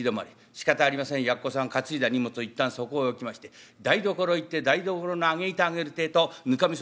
しかたありません奴さん担いだ荷物を一旦そこへ置きまして台所へ行って台所の上げ板上げるってぇとぬかみそ